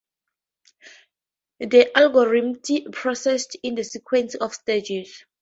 The algorithm proceeds in a sequence of stages.